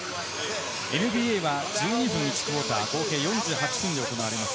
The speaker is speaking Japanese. ＮＢＡは１２分１クオーター、合計４８分で行われます。